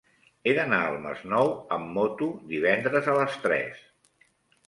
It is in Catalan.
He d'anar al Masnou amb moto divendres a les tres.